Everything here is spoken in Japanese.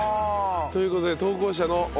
という事で投稿者の古川さん